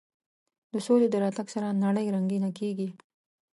د سولې د راتګ سره نړۍ رنګینه کېږي.